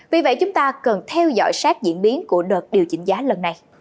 vì vậy chúng ta cần theo dõi sát diễn biến của đợt điều chỉnh giá lần này